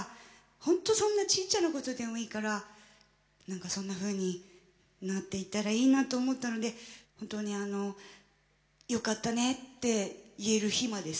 ほんとそんなちっちゃなことでもいいから何かそんなふうになっていったらいいなと思ったので本当によかったねって言える日までさ